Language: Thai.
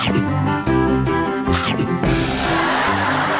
สวัสดีค่ะ